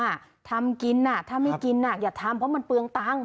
ทำกินอ่ะถ้าไม่กินอ่ะอย่าทำเพราะมันเปลืองตังค